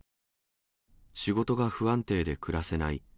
仕事が不安定で暮らせない。